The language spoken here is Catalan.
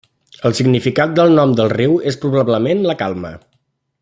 El significat del nom del riu és probablement 'la calma'.